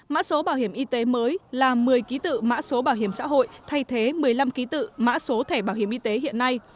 mẫu số bảo hiểm y tế mới là một mươi ký tự mã số bảo hiểm xã hội thay thế một mươi năm ký tự mã số thẻ bảo hiểm y tế hiện nay